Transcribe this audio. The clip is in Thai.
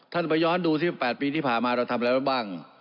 ท่านไปย้อนดูสิบแปดปีที่ผ่ามาเราทำอะไรบ้าง